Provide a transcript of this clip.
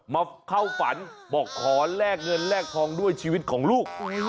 มาเข้าฝันบอกขอแลกเงินแลกทองด้วยชีวิตของลูก